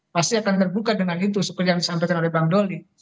pasti akan terbuka dengan itu seperti yang disampaikan oleh bang doli